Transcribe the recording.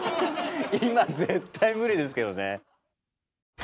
今絶対無理ですけどね。